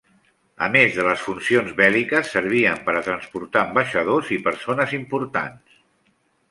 A més de les funcions bèl·liques servien per a transportar ambaixadors i persones importants.